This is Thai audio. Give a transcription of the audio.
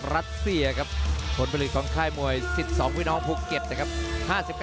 รัสเซียครับผลผลิตของค่ายมวย๑๒พี่น้องภูเก็ตนะครับ